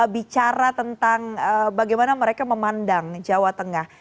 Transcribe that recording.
bicara tentang bagaimana mereka memandang jawa tengah